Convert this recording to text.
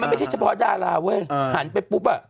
มันไม่ได้เฉพาะดาราเว้ยหันไปปุ๊บอะ